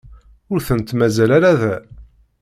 Ur tent-mazal ara da.